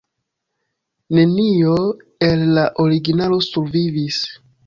Nenio el la originalo survivis.